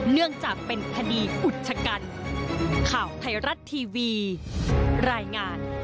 เนื่องจากเป็นคดีอุกชกัน